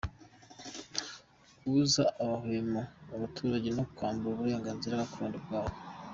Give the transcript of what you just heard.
– Kubuza amahwemo abaturage no kubambura uburenganzira gakondo bwabo;